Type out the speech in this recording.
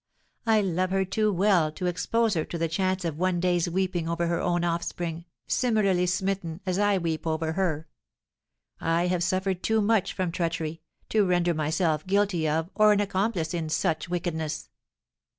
I love her too well to expose her to the chance of one day's weeping over her own offspring, similarly smitten, as I weep over her. I have suffered too much from treachery, to render myself guilty of, or an accomplice in, such wickedness!"